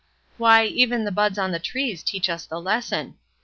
Why, even the buds on the trees teach us the lesson.